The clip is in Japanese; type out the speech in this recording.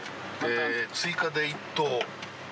追加で１頭。